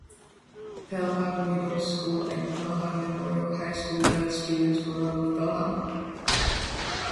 Pelham Middle School and Pelham Memorial High School gather students for all of Pelham.